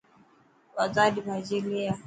بازار ري ڀاڄي لي آءِ.